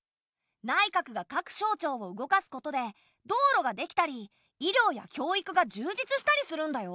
内閣が各省庁を動かすことで道路ができたり医療や教育が充実したりするんだよ。